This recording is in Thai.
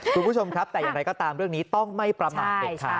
คุณผู้ชมครับแต่อย่างไรก็ตามเรื่องนี้ต้องไม่ประมาทเด็ดขาด